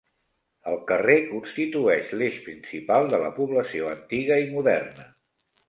El carrer constitueix l'eix principal de la població antiga i moderna.